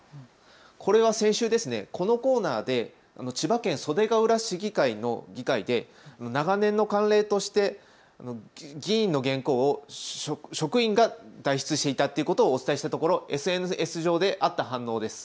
これは先週このコーナーで千葉県袖ケ浦市議会の議会で長年の慣例として議員の原稿を職員が代筆していたということをお伝えしたところＳＮＳ上であった反応です。